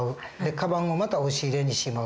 カバンをまた押し入れにしまう。